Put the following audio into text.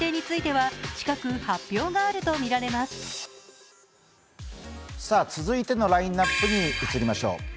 続いてのラインナップに移りましょう。